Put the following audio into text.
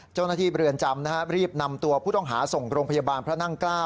เจ้าหน้าที่เรือนจำรีบนำตัวผู้ต้องหาส่งโรงพยาบาลพระนั่ง๙